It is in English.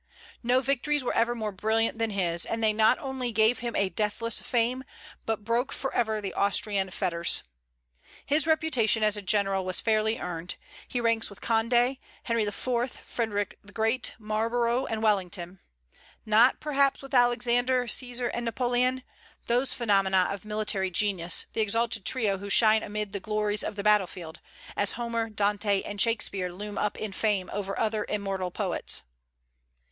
No victories were ever more brilliant than his; and they not only gave him a deathless fame, but broke forever the Austrian fetters. His reputation as a general was fairly earned. He ranks with Condé, Henry IV., Frederic the Great, Marlborough, and Wellington; not, perhaps, with Alexander, Caesar, and Napoleon, those phenomena of military genius, the exalted trio who shine amid the glories of the battlefield, as Homer, Dante, and Shakspeare loom up in fame above other immortal poets.